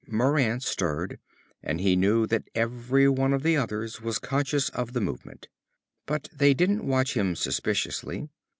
Moran stirred, and he knew that every one of the others was conscious of the movement. But they didn't watch him suspiciously.